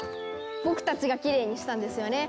僕たちがきれいにしたんですよね！